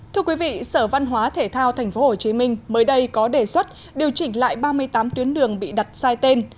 thưa quý vị sở văn hóa thể thao tp hcm mới đây có đề xuất điều chỉnh lại ba mươi tám tuyến đường bị đặt sai tên